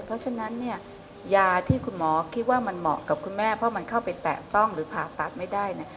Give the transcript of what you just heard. เพราะฉะนั้นเนี่ยยาที่คุณหมอคิดว่ามันเหมาะกับคุณแม่เพราะมันเข้าไปแตะต้องหรือผ่าตัดไม่ได้เนี่ย